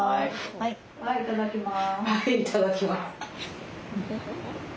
はいいただきます。